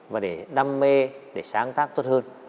và để đam mê để sáng tác tốt hơn